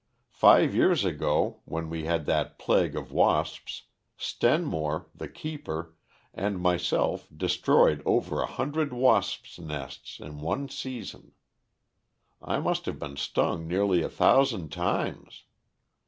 Five years ago when we had that plague of wasps Stenmore, the keeper, and myself destroyed over a hundred wasps' nests in one season. I must have been stung nearly a thousand times.